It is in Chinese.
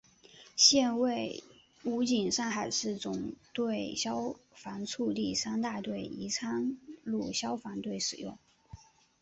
现为武警上海市总队消防处第三大队宜昌路消防队使用。